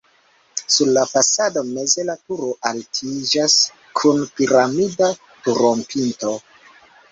Sur la fasado meze la turo altiĝas kun piramida turopinto.